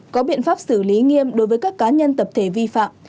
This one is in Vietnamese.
có biện pháp xử lý nghiêm đối với các cá nhân tập thể vi phạm